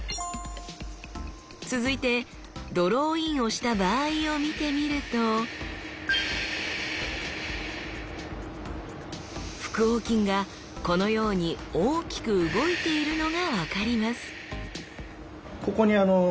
続いてドローインをした場合を見てみると腹横筋がこのように大きく動いているのが分かります